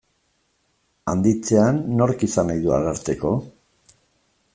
Handitzean, nork izan nahi du Ararteko?